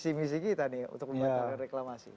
sejalan dengan visi visi kita nih untuk membuat reklamasi